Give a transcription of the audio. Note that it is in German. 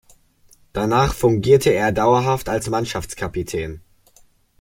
Danach fungierte er dauerhaft als Mannschaftskapitän.